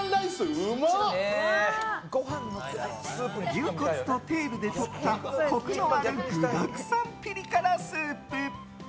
牛骨とテールでとったコクのある具だくさんピリ辛スープ。